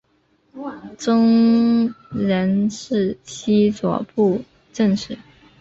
终仕江西左布政使。